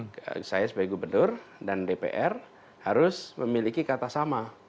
karena itu sebagai pemilik kami saya sebagai gubernur dan dpr harus memiliki kata sama